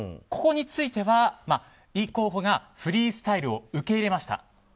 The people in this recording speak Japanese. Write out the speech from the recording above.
ここについては、イ候補がフリースタイルを受け入れました。